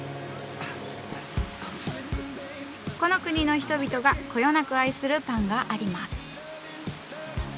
この国の人々がこよなく愛するパンがあります。